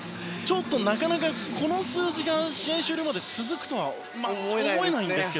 なかなかこの数字が試合終了まで続くとは思えないですが。